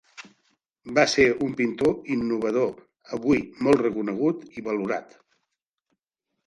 Va ser un pintor innovador avui molt reconegut i valorat.